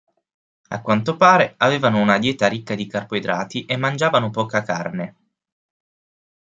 A quanto pare avevano una dieta ricca di carboidrati e mangiavano poca carne.